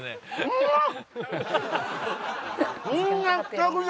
うまっ！